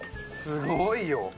すごいよ。